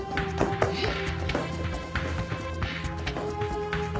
えっ？